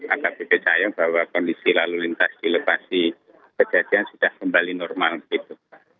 agar lebih becaya bahwa kondisi lalu lintas di lepas kejadian sudah kembali normal begitu